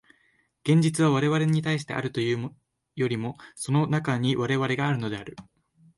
現実は我々に対してあるというよりも、その中に我々があるのである。